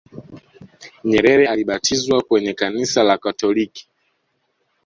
nyerere alibatizwa kwenye kanisa la katoliki